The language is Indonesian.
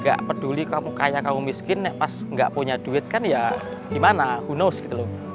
tidak peduli kamu kaya kamu miskin pas tidak punya duit kan ya gimana who knows gitu loh